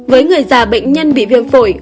với người già bệnh nhân bị viêm phổi